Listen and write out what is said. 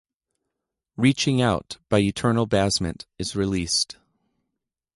"Reaching Out" by Eternal Basment is released.